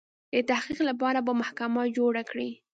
د تحقیق لپاره به محکمه جوړه کړي.